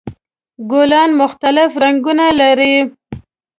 ګلان مختلف رنګونه لري.